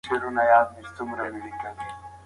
پښتو ژبه باید له کاروانه پاتې نه سي.